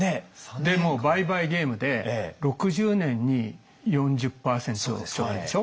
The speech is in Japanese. でもう倍々ゲームで６０年に４０％とかでしょ。